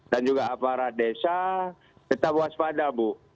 dan juga aparat desa tetap waspada bu